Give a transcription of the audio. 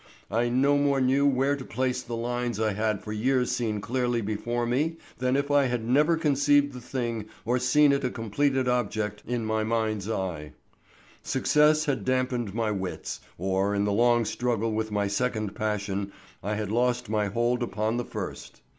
I no more knew where to place the lines I had for years seen clearly before me than if I had never conceived the thing or seen it a completed object in my mind's eye. Success had dampened my wits, or in the long struggle with my second passion I had lost my hold upon the first.